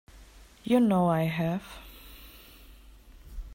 You know I have.